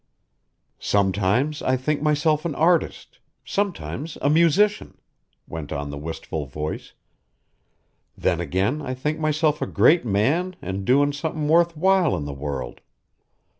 "Sometimes I think myself an artist, sometimes a musician," went on the wistful voice. "Then again I think myself a great man an' doin' somethin' worth while in the world.